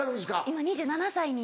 今２７歳に。